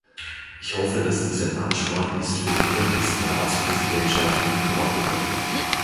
Ich hoffe, dass dies ein Ansporn ist für die übernächsten Ratspräsidentschaften wie Portugal.